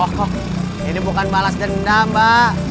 kok ini bukan balas dendam mbak